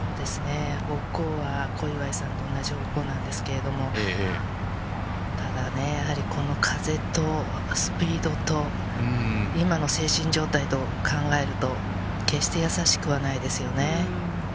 小祝さんと同じ所なんですけれど、ただこの風とスピードと、今の精神状態等を考えると、決してやさしくはないですよね。